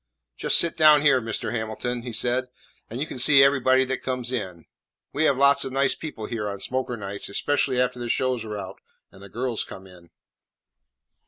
"Just sit down here, Mr. Hamilton," he said, "and you can see everybody that comes in. We have lots of nice people here on smoker nights, especially after the shows are out and the girls come in."